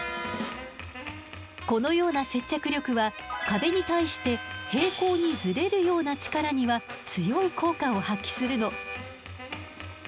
このような接着力は壁に対して平行にずれるような力には強い効果を発揮するの。